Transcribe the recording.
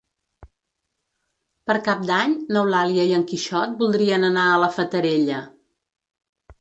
Per Cap d'Any n'Eulàlia i en Quixot voldrien anar a la Fatarella.